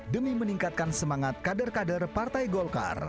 demi meningkatkan semangat kader kader partai golkar